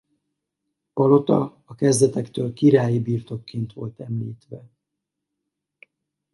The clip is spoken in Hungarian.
Palota a kezdetektől királyi birtokként volt említve.